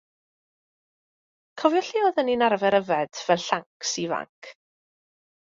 Cofio lle oddan ni'n arfar yfad fel llancs ifanc?